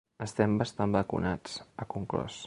Estem bastant vacunats, ha conclòs.